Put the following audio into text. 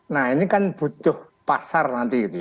nah ini kan butuh pasar nanti